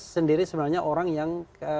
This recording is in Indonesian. sendiri sebenarnya orang yang